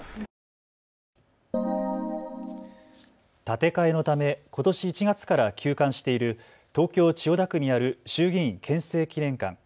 建て替えのためことし１月から休館している東京千代田区にある衆議院憲政記念館。